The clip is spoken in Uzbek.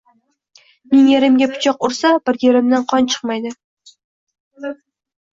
Ming yerimga pichoq ursa bir yerimdan qon chiqmaydi.